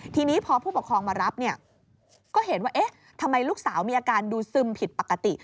ทีนี้พอผู้ปกครองมารับเนี่ยก็เห็นว่าเอ๊ะทำไมลูกสาวมีอาการดูซึมผิดปกติ